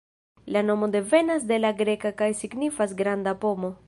La nomo devenas de la greka kaj signifas "granda pomo".